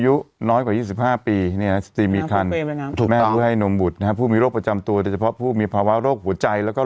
คุณอ่านหน่อยอันที่๑พูดด้วยครับผมโดยตรง